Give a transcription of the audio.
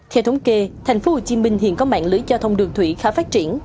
theo thống kê thành phố hồ chí minh hiện có mạng lưới giao thông đường thủy khá phát triển